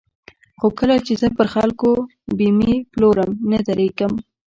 خو کله چې زه پر خلکو بېمې پلورم نه درېږم.